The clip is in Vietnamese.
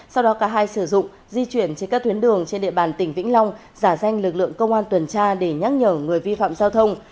sau đó cả hai sử dụng di chuyển trên các tuyến đường trên địa bàn tỉnh vĩnh long giả danh lực lượng công an tuần tra để nhắc nhở người vi phạm giao thông